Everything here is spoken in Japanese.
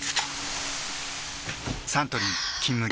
サントリー「金麦」